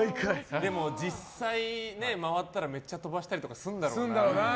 でも、実際回ったらめっちゃ飛ばしたりするんだろうね。